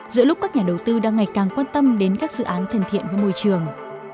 giữa lúc các nhà đầu tư đang ngày càng quan tâm đến các dự án thân thiện với môi trường